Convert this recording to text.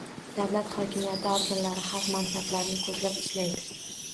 Davlat hokimiyati organlari xalq manfaatlarini ko'zlab ishlaydi